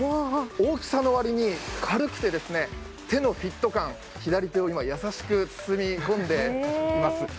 大きさの割に軽くて手のフィット感、左手を今やさしく包み込んでいます。